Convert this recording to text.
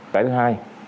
cái thứ hai